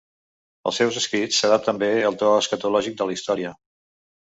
Els seus escrits s'adapten bé al to escatològic de la història.